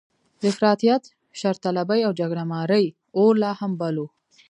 د افراطیت، شرطلبۍ او جګړه مارۍ اور لا هم بل و.